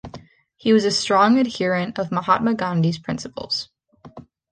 He was a strong adherent of Mahatma Gandhi's principles.